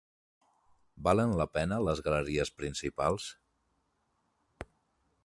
Valen la pena les galeries principals?